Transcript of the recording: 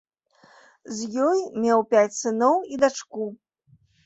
З ёй меў пяць сыноў і дачку.